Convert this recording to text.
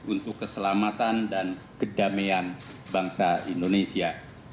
untuk keselamatan dan kedamaian bangsa indonesia